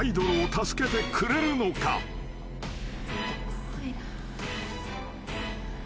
怖いな。